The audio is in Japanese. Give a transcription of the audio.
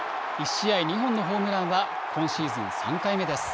１試合２本のホームランは今シーズン３回目です。